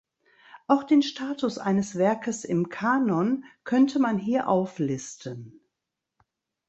Auch den Status eines Werkes im Kanon könnte man hier auflisten.